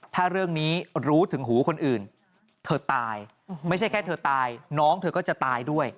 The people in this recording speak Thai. ถ้าเรื่องนี้รู้ถึงหูคนอื่นเธอตายไม่ใช่แค่เธอตายน้องเธอก็จะตายด้วย